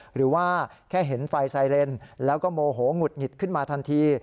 หรือว่าแค่เห็นไฟไซเลนแล้วก็โมโหหงุดหงิดขึ้นมาทันที